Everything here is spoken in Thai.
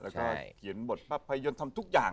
แล้วก็เขียนหมดภายนภายนภาพยนตร์ทำทุกอย่าง